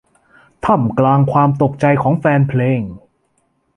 ท่ามกลางความตกใจของแฟนเพลง